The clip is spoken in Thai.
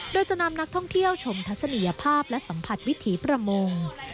โดยจะนำนักท่องเที่ยวชมทัศนียภาพและสัมผัสวิถีประมง